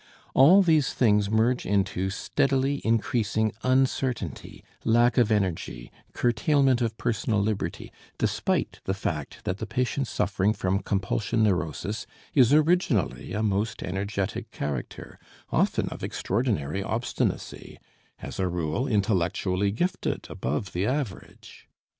All these things merge into steadily increasing uncertainty, lack of energy, curtailment of personal liberty, despite the fact that the patient suffering from compulsion neurosis is originally a most energetic character, often of extraordinary obstinacy, as a rule intellectually gifted above the average.